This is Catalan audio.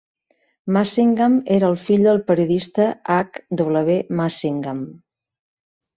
Massingham era el fill del periodista H. W. Massingham.